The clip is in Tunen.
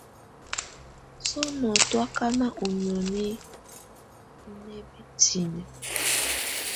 Sɔ́nɔ̀ tú ákáná ú nióni nɛ́ bǝ́tinǝ́.